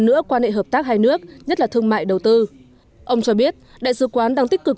nữa quan hệ hợp tác hai nước nhất là thương mại đầu tư ông cho biết đại sứ quán đang tích cực